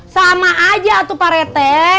sama aja tuh pak rete